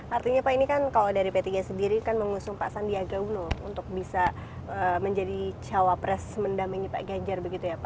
artinya pak ini kan kalau dari p tiga sendiri kan mengusung pak sandiaga uno untuk bisa menjadi cawapres mendampingi pak ganjar begitu ya pak